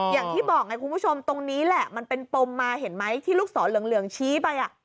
อย่างที่บอกไงคุณผู้ชมตรงนี้แหละมันเป็นปมมาเห็นไหมที่ลูกศรเหลืองชี้ไป